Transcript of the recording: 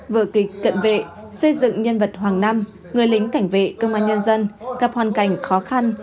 vở kịch cận vệ xây dựng nhân vật hoàng nam người lính cảnh vệ công an nhân dân gặp hoàn cảnh khó khăn